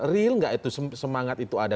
real gak itu semangat itu ada